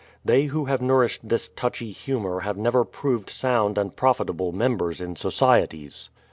They who have nourished this touchy humour have never proved sound and profitable members in societies.